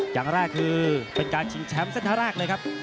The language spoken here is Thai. อย่างแรกคือเป็นการชิงแชมป์เส้นทางแรกเลยครับ